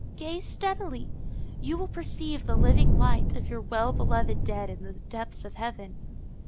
Gaze steadily. You will perceive the living light of your well beloved dead in the depths of heaven."